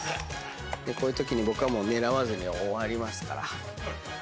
こういうときに僕は狙わずに終わりますから。